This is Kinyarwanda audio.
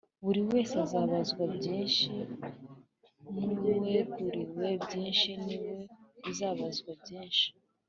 Buri wese azabazwa byinshi n’uweguriwe byinshi ni we uzabazwa byinshi